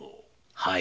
はい。